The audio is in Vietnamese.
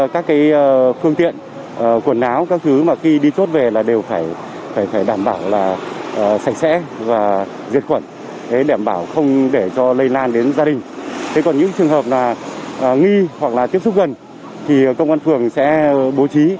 còn những trường hợp là nghi hoặc là tiếp xúc gần thì công an phường sẽ bố trí